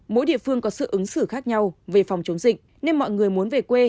mỗi địa phương có sự ứng xử khác nhau về phòng chống dịch nên mọi người muốn về quê